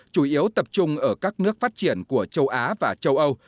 chủ yếu tập trung ở các nước phát triển của châu á và châu âu